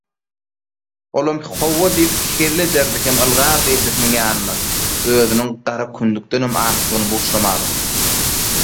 Olam «Hawa» diýip hezil ederdi hem ylgardy ejesiniň ýanyna özüniň gara kündükdenem akdygyny buşlamaga.